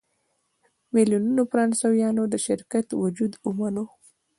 میلیونونو فرانسویانو د شرکت وجود ومانه.